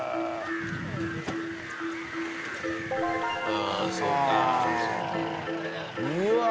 あそうか。